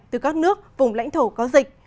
từ các nước vùng lãnh thổ có dịch